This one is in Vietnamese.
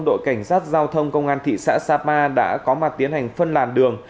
đội cảnh sát giao thông công an thị xã sapa đã có mặt tiến hành phân làn đường